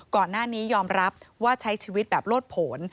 ก่อนหน้านี้ยอมรับว่าใช้ชีวิตแบบโลดผล